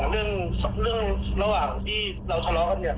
เรื่องระหว่างที่เราทะเลาะกันเนี่ย